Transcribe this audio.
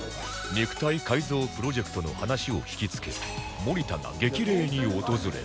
肉体改造プロジェクトの話を聞きつけ森田が激励に訪れた